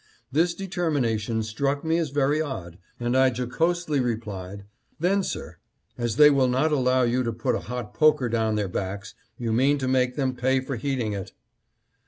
This determination struck me as very odd, and I jocosely replied, —"' Then, sir, as they will not allow you to put a hot poker down their backs, you mean to make them pay for heating it